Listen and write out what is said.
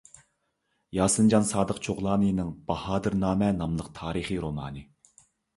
ياسىنجان سادىق چوغلاننىڭ «باھادىرنامە» ناملىق تارىخىي رومانى